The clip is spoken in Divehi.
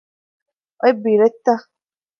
އޮތް ބިރެއްތަ؟